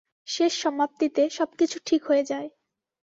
শেষ সমাপ্তি তে, সব কিছু ঠিক হয়ে জায়।